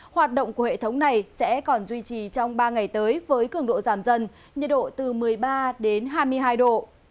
hoạt động của hệ thống này sẽ còn duy trì trong ba ngày tới với cường độ giảm dần nhiệt độ từ một mươi ba hai mươi hai độ